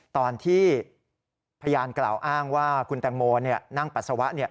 ตอนที่พยานกล่าวอ้างว่าคุณแตงโมนั่งปัสสาวะ